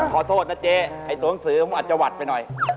ขอโทษนะเจ๊ไอ้ตัวหนังสือมันอาจจะหวัดไปหน่อย